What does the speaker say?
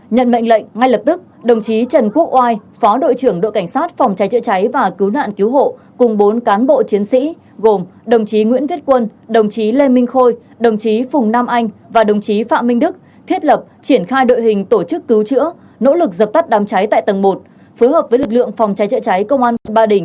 nhận mệnh lệnh ngay lập tức đồng chí trần quốc oai phó đội trưởng đội cảnh sát phòng cháy chữa cháy và cứu nạn cứu hộ cùng bốn cán bộ chiến sĩ gồm đồng chí nguyễn viết quân đồng chí lê minh khôi đồng chí phùng nam anh và đồng chí phạm minh đức thiết lập triển khai đội hình tổ chức cứu chữa nỗ lực dập tắt đám cháy tại tầng một phối hợp với lực lượng phòng cháy chữa cháy công an quận ba đình